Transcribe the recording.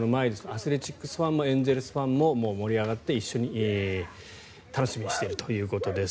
アスレチックスファンもエンゼルスファンも盛り上がって一緒に楽しみにしているということです。